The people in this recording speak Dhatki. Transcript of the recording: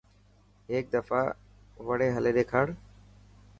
هيڪ دفا وڙي هلي ڏيکار.